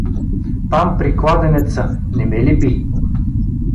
Там, при кладенеца, не ме ли би?